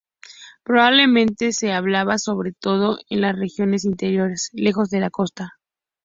Probablemente se hablaba sobre todo en las regiones interiores, lejos de la costa.